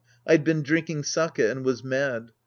I'd been drinking sake and was mad.